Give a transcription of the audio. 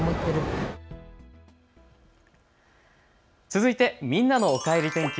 続いてみんなのおかえり天気。